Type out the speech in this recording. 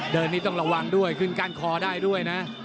เดินนี่ต้องระวังด้วยขึ้นก้านคอได้ด้วยนะ